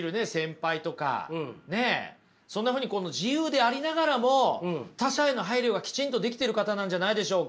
ねっそんなふうに今度自由でありながらも他者への配慮がきちんとできてる方なんじゃないでしょうか？